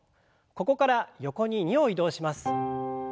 ここから横に２歩移動します。